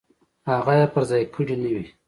هغه یې پر ځای کړې نه وي.